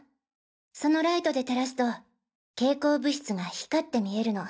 そのライトで照らすと蛍光物質が光って見えるの。